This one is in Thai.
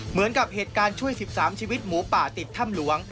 เหมือนกับเหตุการณ์ช่วย๑๓ชีวิตหมูป่าติดถ้ำหลวง